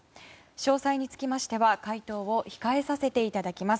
詳細につきましては回答を控えさせていただきます。